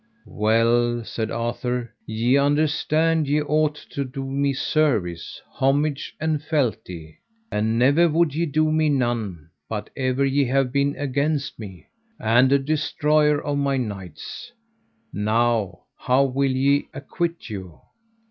Well, said Arthur, ye understand ye ought to do me service, homage, and fealty. And never would ye do me none, but ever ye have been against me, and a destroyer of my knights; now, how will ye acquit you?